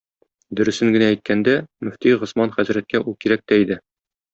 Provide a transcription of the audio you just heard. Дөресен генә әйткәндә, мөфти Госман хәзрәткә ул кирәк тә иде.